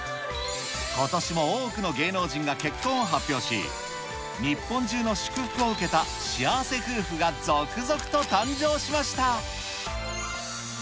ことしも多くの芸能人が結婚を発表し、日本中の祝福を受けた幸せ夫婦が続々と誕生しました。